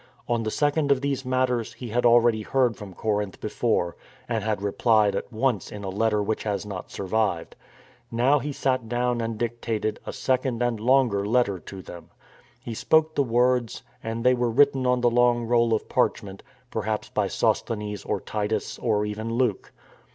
On the second of these matters he had already heard from Corinth before, and had replied at once in a letter which has not survived.^ Now he sat down and dictated a second and longer letter to them. He spoke the words, and they were written on the long roll of parchment, perhaps by Sosthenes or Titus or even Luke.